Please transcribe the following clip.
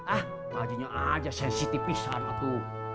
ah majunya aja sensitifis anakku